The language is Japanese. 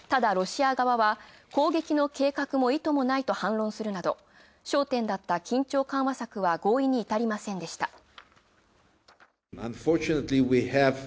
ただロシア側は攻撃の計画も意図もないと反論するなど焦点だった緊張緩和策は、合意に至りませんでした。